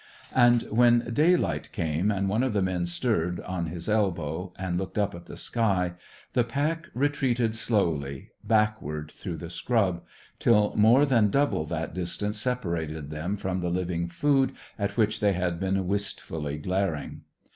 And when daylight came, and one of the men stirred on his elbow, and looked up at the sky, the pack retreated slowly, backward through the scrub, till more than double that distance separated them from the living food at which they had been wistfully glaring.